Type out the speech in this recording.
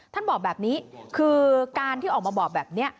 ท่านบอกแบบนี้คือการที่ออกมาบอกแบบนี้